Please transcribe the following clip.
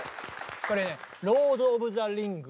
これね